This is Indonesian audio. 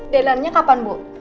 delannya kapan bu